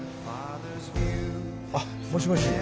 あもしもし。